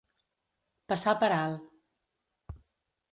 Passar per alt.